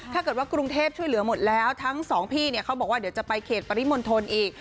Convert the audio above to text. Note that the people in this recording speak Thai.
ถ้าเกิดว่ากรุงเทพช่วยเหลือหมดแล้วทั้งสองพี่เนี่ยเขาบอกว่าเดี๋ยวจะไปเขตปริมณฑลอีก